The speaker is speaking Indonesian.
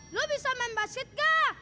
lo bisa main masjid gak